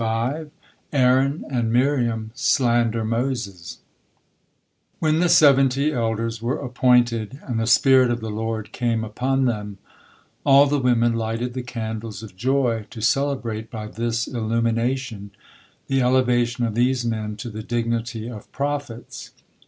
AARON AND MIRIAM SLANDER MOSES When the seventy elders were appointed, and the spirit of the Lord came upon them, all the women lighted the candles of joy, to celebrate by this illumination the elevation of these men to the dignity of prophets.